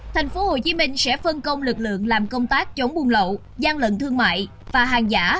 tp hcm sẽ phân công lực lượng làm công tác chống buôn lậu gian lận thương mại và hàng giả